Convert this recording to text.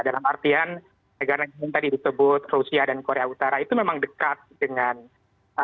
dalam artian negara negara yang tadi disebut rusia dan korea utara itu memang dekat dengan negara